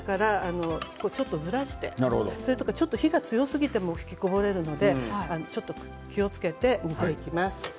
ちょっとずらして火が強すぎても吹きこぼれるのでちょっと気をつけて煮ていきます。